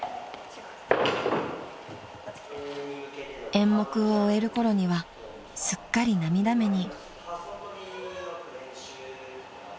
［演目を終えるころにはすっかり涙目に］